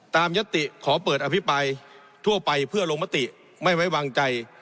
ยัตติขอเปิดอภิปรายทั่วไปเพื่อลงมติไม่ไว้วางใจ